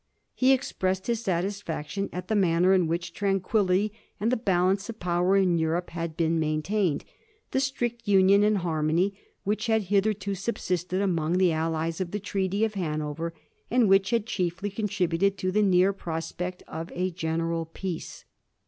He expressed his satisfaction at the manner in which tranquillity and the balance of power in Europe had been maintained, the strict union and harmony which had hitherto subsisted among the allies of the Treaty of Hanover, and which had chiefly contributed to the near .prospect of a general peace.